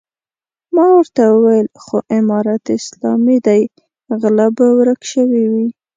ما ورته وويل خو امارت اسلامي دی غله به ورک شوي وي.